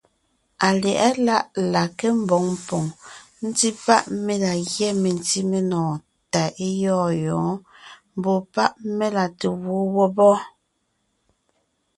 Alyɛ̌ʼɛ láʼ la nke mboŋ poŋ ńtí páʼ mé la gyɛ́ mentí menɔɔn tà é gyɔ̂ɔn yɔ̌ɔn, mbɔ̌ páʼ mé la te gwoon wɔ́b wɔ́.